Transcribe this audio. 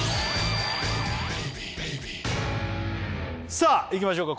さあいきましょうか